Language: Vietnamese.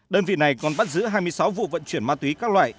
đơn vị này còn bắt giữ hai mươi sáu vụ vận chuyển ma túy các loại